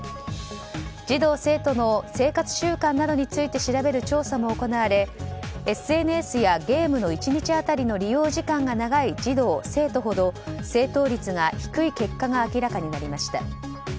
児童・生徒の生活習慣などについて調べる調査も行われＳＮＳやゲームの１日当たりの利用時間が長い児童・生徒ほど正答率が低い結果が明らかになりました。